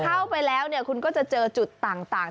เข้าไปแล้วเนี่ยคุณก็จะเจอจุดต่าง